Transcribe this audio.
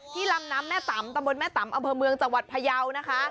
ที่ลำนำแม่ต่ำตะบลแม่ต่ำอเมืองจังหวัดพะเยาว์นะคะ